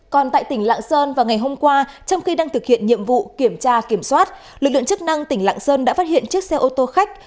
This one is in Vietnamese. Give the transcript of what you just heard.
còn tại tỉnh lạng sơn vào ngày hôm qua trong khi đang thực hiện nhiệm vụ kiểm tra kiểm soát lực lượng chức năng tỉnh lạng sơn đã phát hiện chiếc xe ô tô khách